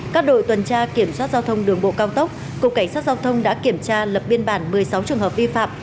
các đội tuần tra kiểm soát giao thông đường bộ cao tốc cục cảnh sát giao thông đã kiểm tra lập biên bản một mươi sáu trường hợp vi phạm